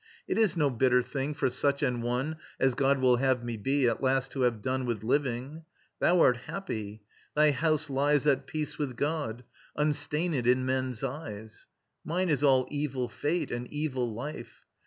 It is no bitter thing for such an one As God will have me be, at last to have done With living. THOU art happy; thy house lies At peace with God, unstained in men's eyes; Mine is all evil fate and evil life